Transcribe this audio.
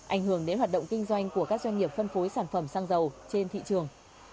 ảnh hưởng đến hoạt động kinh doanh của các doanh nghiệp phân phối sản phẩm xăng dầu trên thị trường